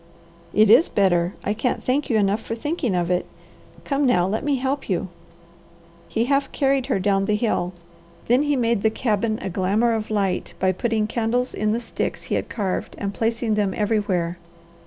"It is better. I can't thank you enough for thinking of it. Come now, let me help you." He half carried her down the hill. Then he made the cabin a glamour of light by putting candles in the sticks he had carved and placing them everywhere.